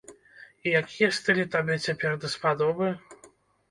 А якія стылі табе цяпер даспадобы?